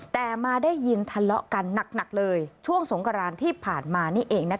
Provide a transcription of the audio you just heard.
แต่มาได้ยินทะเลาะกันหนักเลยช่วงสงกรานที่ผ่านมานี่เอง